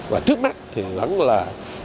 và trước mắt thì vẫn là